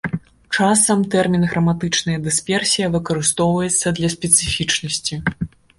Часам тэрмін храматычная дысперсія выкарыстоўваецца для спецыфічнасці.